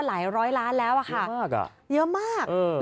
หลายร้อยล้านแล้วอะค่ะเยอะมากอ่ะเยอะมากเออ